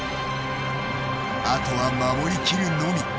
あとは守りきるのみ。